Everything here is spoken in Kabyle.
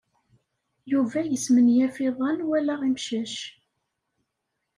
Yuba yesmenyaf iḍan wala imcac.